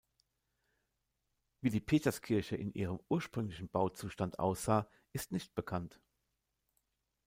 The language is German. Wie die Peterskirche in ihrem ursprünglichen Bauzustand aussah, ist nicht bekannt.